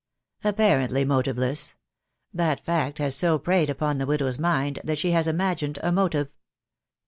"Apparently motiveless. That fact has so preyed upon the widow's mind that she has imagined a motive.